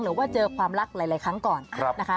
หรือว่าเจอความรักหลายครั้งก่อนนะคะ